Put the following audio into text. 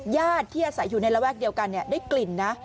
ญาติที่อาศัยอยู่ในระแวกเดียวกันได้กลิ่นนะ